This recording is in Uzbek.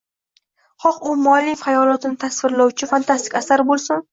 xoh u muallif hayolotini tasvirlovchi fantastik asar bo’lsin